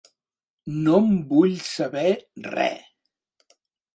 No en vull saber re.